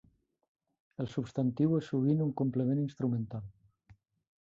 El substantiu és sovint un complement instrumental.